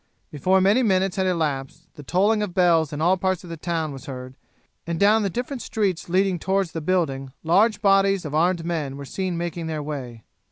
Before many minutes had elapsed the tolling of bells in all parts of the town was heard, and down the different streets leading towards the building large bodies of armed men were seen making their way.